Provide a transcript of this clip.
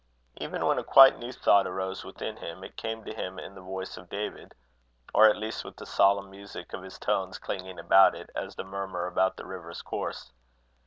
Even when a quite new thought arose within him, it came to him in the voice of David, or at least with the solemn music of his tones clinging about it as the murmur about the river's course.